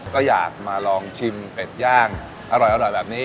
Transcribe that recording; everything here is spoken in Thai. ก็อยากมาลองชิมเป็ดย่างอร่อยแบบนี้